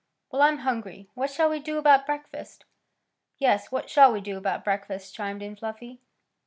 "Well, I'm hungry. What shall we do about breakfast?" "Yes; what shall we do about breakfast?" chimed in Fluffy.